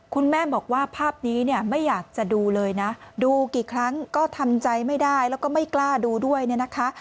คุณแม่บอกว่าภาพนี้เนี่ยไม่อยากจะดูเลยนะดูกี่ครั้งก็ทำใจไม่ได้แล้วก็ไม่กล้าดูด้วยเนี่ยนะคะ